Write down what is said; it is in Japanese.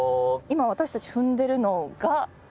今私たち踏んでるのが。